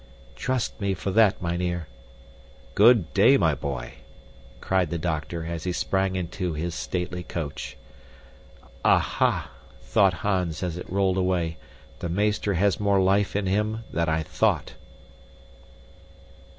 "Trust me for that, mynheer." "Good day, my boy!" cried the doctor as he sprang into his stately coach. Aha! thought Hans as it rolled away, the meester has more life in him than I thought.